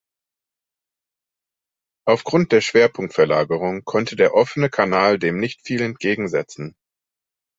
Aufgrund der Schwerpunktverlagerung konnte der Offene Kanal dem nicht viel entgegensetzen.